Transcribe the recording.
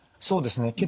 そうですね。